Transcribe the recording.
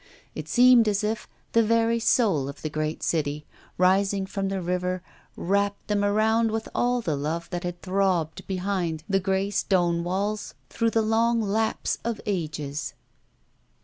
It seemed as if the very soul of the great city, rising from the river, wrapped them around with all the love that had throbbed behind the grey stone walls through the long lapse of ages.